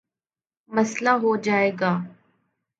مسلہ ہو جائے گا۔